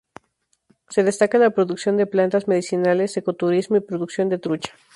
Se destaca la producción de plantas medicinales, ecoturismo y producción de trucha.